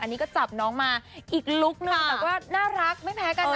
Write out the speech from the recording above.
อันนี้ก็จับน้องมาอีกลุคนึงแบบว่าน่ารักไม่แพ้กันนะ